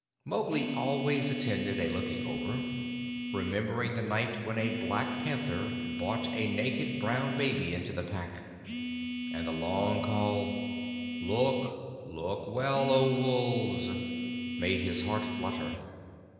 Mowgli always attended a Looking over, remembering the night when a black panther bought a naked brown baby into the Pack, and the long call, "Look, look well, O Wolves," made his heart flutter.